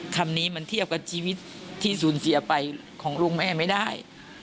คำนี้มันเทียบกับชีวิตที่สูญเสียไปของลูกแม่ไม่ได้